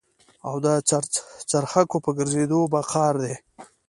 او د څرخکو په ګرځېدو په قار دي.